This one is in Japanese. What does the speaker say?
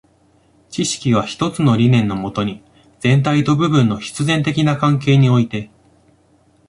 知識は一つの理念のもとに、全体と部分の必然的な関係において、